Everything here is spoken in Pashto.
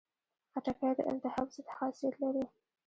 خټکی د التهاب ضد خاصیت لري.